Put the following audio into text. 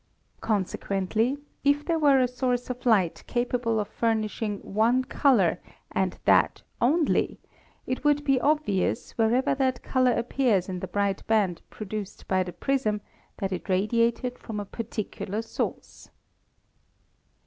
Consequently, if there were a source of light capable of furnishing one color and that only, it would be obvious, wherever that color appears in the bright band produced by the prism, that it radiated from a particular source.